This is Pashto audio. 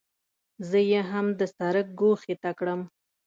زه یې هم د سړک ګوښې ته کړم.